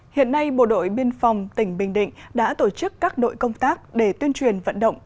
hiện nay bộ đội biên phòng tỉnh bình định đã tổ chức các đội công tác để tuyên truyền vận động